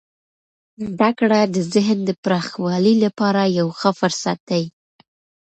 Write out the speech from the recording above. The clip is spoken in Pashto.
زده کړه د ذهن د پراخوالي لپاره یو ښه فرصت دی.